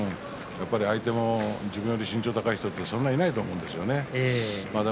やっぱり相手も自分より身長が高い人ってあまりいないと思うんですよね。